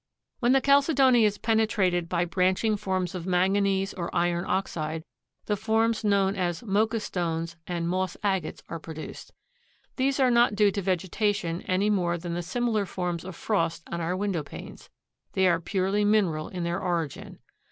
When the chalcedony is penetrated by branching forms of manganese or iron oxide the forms known as "mocha stones" and "moss agates" are produced. These are not due to vegetation any more than the similar forms of frost on our window panes. They are purely mineral in their origin.